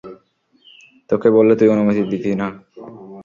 তোকে বললে, তুই অনুমতি দিতি না।